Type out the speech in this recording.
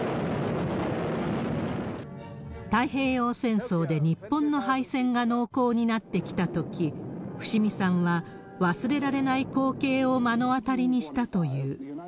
太平洋戦争で日本の敗戦が濃厚になってきたとき、伏見さんは忘れられない光景を目の当たりにしたという。